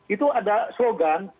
itu ada slogan